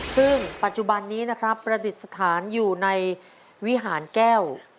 ซึ่งปัจจุบันนี้นะครับประดิษฐานอยู่ในวิหารแก้ว